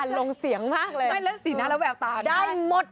ชอบจำกว่าที่ได้หมด